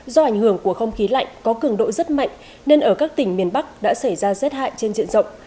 do ảnh hưởng của không khí lạnh có cường độ rất mạnh nên ở các tỉnh miền bắc đã xảy ra rét hại trên diện rộng